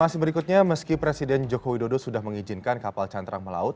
masih berikutnya meski presiden joko widodo sudah mengizinkan kapal cantrang melaut